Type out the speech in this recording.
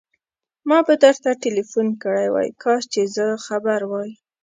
ما به درته ټليفون کړی وای، کاش چې زه خبر وای.